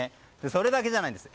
それだけじゃないんです。